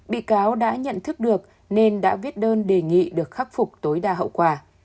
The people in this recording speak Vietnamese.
bị cáo đã nhận thức được nên đã viết đơn đề nghị được khắc phục tối đa hậu quả